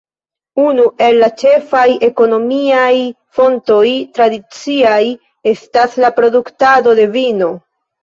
Unu el la ĉefaj ekonomiaj fontoj tradiciaj estas la produktado de vino.